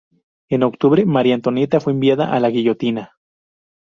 En octubre, María Antonieta fue enviada a la guillotina.